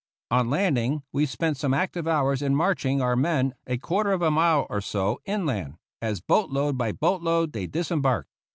On landing we spent some active hours in marching our men a quarter of a mile or so inland, as boat load by boat load they disembarked.